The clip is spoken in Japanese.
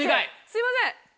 すいません。